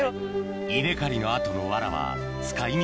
稲刈りの後のわらは使い道